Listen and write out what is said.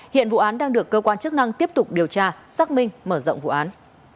hiện vụ án đang được cơ quan chức năng tiếp tục điều tra xác minh mở rộng vụ án